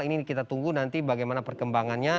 ini kita tunggu nanti bagaimana perkembangannya